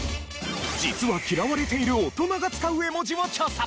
実は嫌われている大人が使う絵文字も調査。